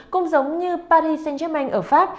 cũng giống như paris saint germain ở pháp